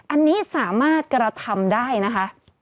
อันนี้สามารถกระทำได้นะคะ